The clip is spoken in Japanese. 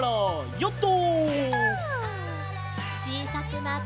ヨット！